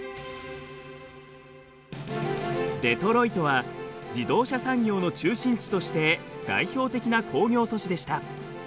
デトロイトは自動車産業の中心地として代表的な工業都市でした。